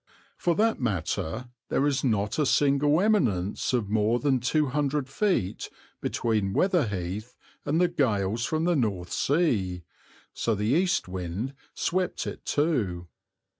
For that matter there is not a single eminence of more than 200 feet between Weather Heath and the gales from the North Sea, so the east wind swept it too.